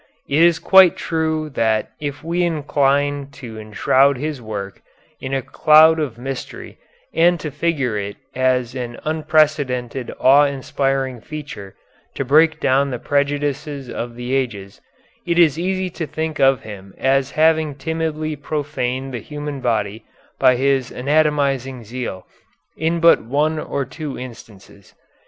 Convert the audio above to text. It is quite true that if we incline to enshroud his work in a cloud of mystery and to figure it as an unprecedented awe inspiring feature to break down the prejudices of the ages, it is easy to think of him as having timidly profaned the human body by his anatomizing zeal in but one or two instances.